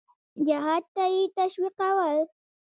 جهاد ته یې تشویقول.